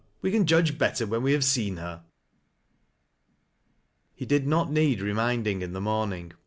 We can jiidge better when we have seen her." He did not need reminding in the morning.